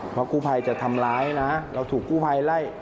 เพราะกู้ภัยจะทำร้ายนะเราถูกกู้ภัยไล่